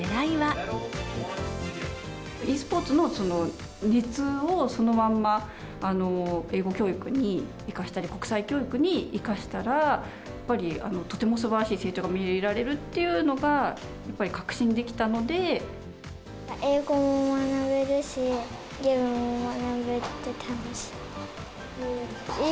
ｅスポーツの熱をそのまんま、英語教育に生かしたり、国際教育に生かしたら、やっぱりとてもすばらしい成長が見られるっていうのが、確信でき英語も学べるし、ゲームも学べて楽しい。